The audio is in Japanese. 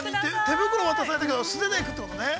◆手袋渡されたけど素手でいくってことね。